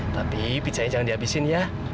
tapi pizzanya jangan dihabisin ya